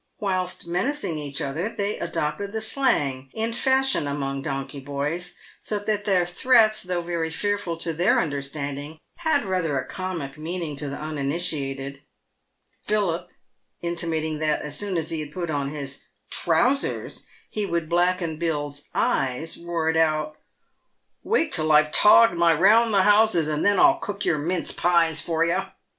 "Whilst menacing each other, they adopted the slang in fashion among donkey boys, so that their threats, though very fearful to their understanding, had rather a comic meaning to the uninitiated. Philip intimating that, as soon as he had put on his trousers, he would blacken Pill's eyes, roared out, " Wait till I've togged my ' round the houses,' and then I'll cook your * mince pies' for you."